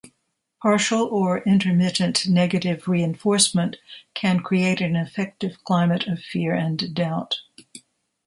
Partial or intermittent negative reinforcement can create an effective climate of fear and doubt.